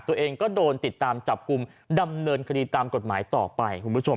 ตัวเองก็โดนติดตามจับกลุ่มดำเนินคดีตามกฎหมายต่อไปคุณผู้ชม